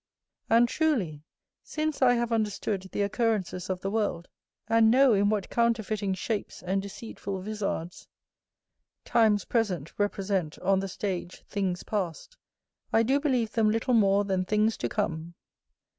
And truly, since I have understood the occurrences of the world, and know in what counterfeiting shapes and deceitful visards times present represent on the stage things past, I do believe them little more than things to come.